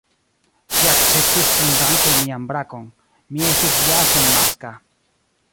Ŝi akceptis kun danko mian brakon: mi estis ja senmaska.